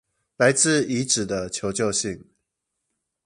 來自遺址的求救信